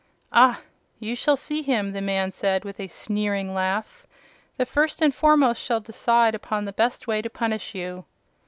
"Ah; you shall see him!" the man said, with a sneering laugh. "The First and Foremost shall decide upon the best way to punish you."